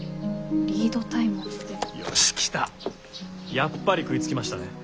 やっぱり食いつきましたね。